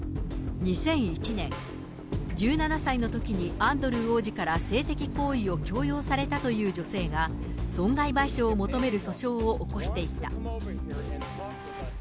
２００１年、１７歳のときにアンドルー王子から性的行為を強要されたという女性が、損害賠償を求める訴訟を起こしていた。